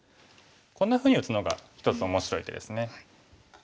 こんなふうに打つのが一つ面白い手ですね。